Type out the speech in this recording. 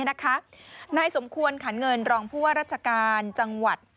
นายสมควรขันเงินรองผู้ว่าราชการจังหวัด